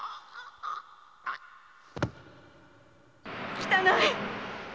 汚い！